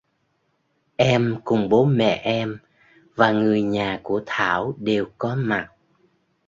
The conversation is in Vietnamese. Em cùng bố mẹ em và người nhà của Thảo đều có mặt